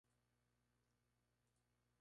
Puede afectar a todos los colores de manto.